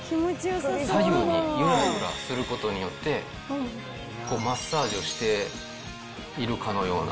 左右にゆらゆらすることによって、マッサージをしているかのような。